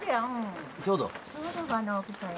ちょうどや。